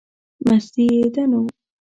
مستي یې ده نو.